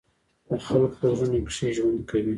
د خلقو پۀ زړونو کښې ژوند کوي،